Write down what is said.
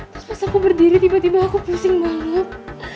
terus pas aku berdiri tiba tiba aku pusing banget